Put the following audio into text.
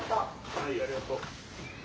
はいありがとう。